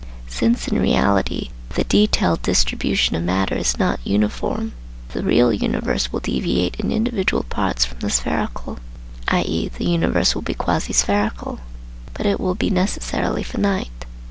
Since in reality the detailed distribution of matter is not uniform, the real universe will deviate in individual parts from the spherical, i.e. the universe will be quasi spherical. But it will be necessarily finite.